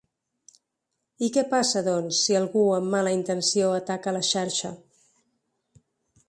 I què passa, doncs, si algú amb mala intenció ataca la xarxa?